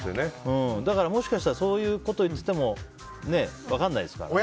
だから、もしかしたらそういうことを言っていても分かんないですからね。